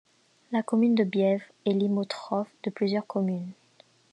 La commune de Bièvres est limitrophe de plusieurs communes.